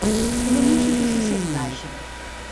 La música se sent baixa.